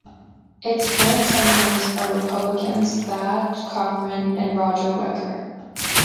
Its current senators are Republicans Thad Cochran and Roger Wicker.